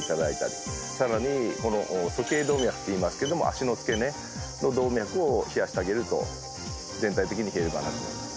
さらに鼠径動脈っていいますけど脚の付け根の動脈を冷やしてあげると全体的に冷えるかなと思います。